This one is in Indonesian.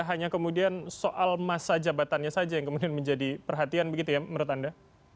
hanya kemudian soal masa jabatannya saja yang kemudian menjadi perhatian begitu ya menurut anda